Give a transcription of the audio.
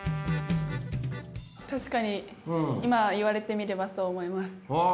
確かに今言われてみればそう思います。